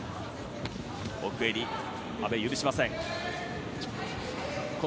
奥襟、阿部許しません。